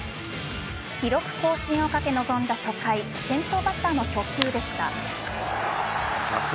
記録更新をかけ臨んだ初回先頭バッターの初球でした。